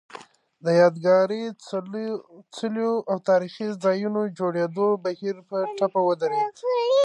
د یادګاري څلیو او تاریخي ځایونو جوړېدو بهیر په ټپه ودرېد